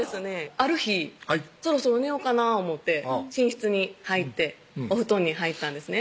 ある日そろそろ寝よかな思て寝室に入ってお布団に入ったんですね